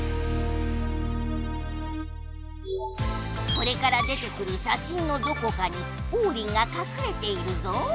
これから出てくる写真のどこかにオウリンがかくれているぞ。